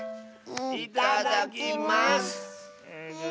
いただきます！